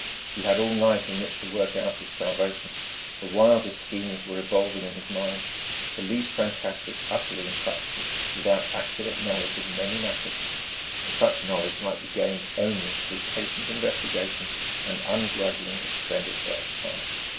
He had all night in which to work out his salvation; the wildest schemes were revolving in his mind, the least fantastic utterly impracticable without accurate knowledge of many matters; and such knowledge might be gained only through patient investigation and ungrudging expenditure of time.